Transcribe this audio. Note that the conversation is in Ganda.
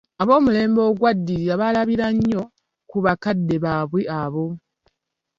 Ab'omulembe ogwaddirira baalabira nnyo ku bakadde baabwe abo.